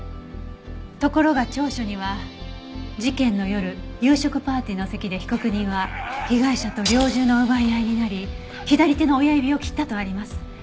ところが調書には事件の夜夕食パーティーの席で被告人は被害者と猟銃の奪い合いになり左手の親指を切ったとあります。